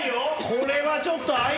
これはちょっと。